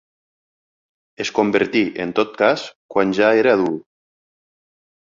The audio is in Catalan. Es convertí, en tot cas, quan ja era adult.